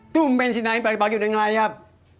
tumpen sinarin pagi pagi udah ngelayap